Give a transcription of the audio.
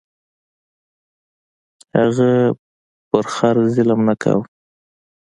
هغه په خر ظلم نه کاوه.